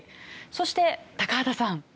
そして高畑さん。